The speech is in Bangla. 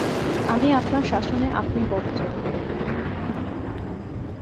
আমি আপনার শাসনে আপনি বদ্ধ।